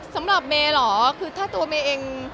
สำหรับเมย์เหรอคือถ้าตัวเมย์เอง